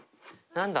何だ？